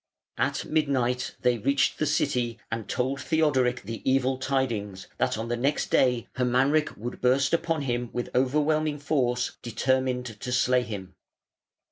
At midnight they reached the city and told Theodoric the evil tidings, that on the next day Hermanric would burst upon him with overwhelming force determined to slay him.